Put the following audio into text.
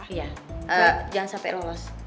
iya jangan sampai rolos